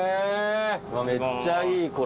めっちゃいいこれ。